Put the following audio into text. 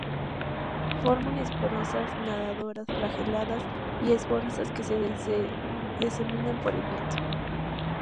Forman esporas nadadoras flageladas y esporas que se diseminan por el viento.